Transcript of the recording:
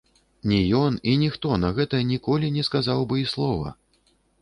Ні ён і ніхто на гэта ніколі не сказаў бы і слова.